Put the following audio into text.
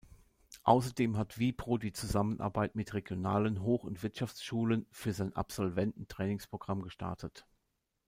Außerdem hat Wipro die Zusammenarbeit mit regionalen Hoch- und Wirtschaftsschulen für sein Absolventen-Trainingsprogramm gestartet.